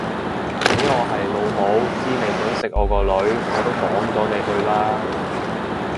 俾我係老母知你想食我個女我都擋咗你去啦